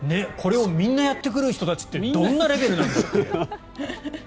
これをみんなやってくる人たちってどんなレベルなんだろうって。